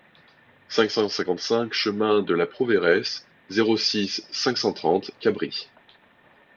cinq cent cinquante-cinq chemin de la Prouveiresse, zéro six, cinq cent trente, Cabris